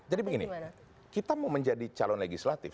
jadi begini kita mau menjadi calon legislatif